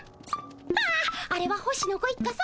あああれは星野ご一家さま。